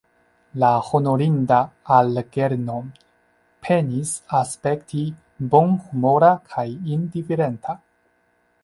La honorinda Algernon penis aspekti bonhumora kaj indiferenta.